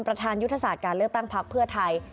ประธานยุทธศาสตร์การเลือกตั้งพักเพื่อไทย